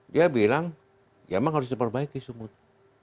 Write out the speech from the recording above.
dia bilang ya memang harus diperbaiki sumut